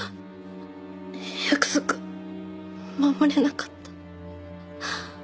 約束守れなかった。